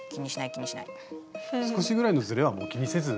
少しぐらいのずれはもう気にせず。